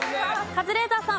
カズレーザーさん。